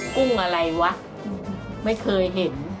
กุ้งอะไรวะไม่เคยเห็น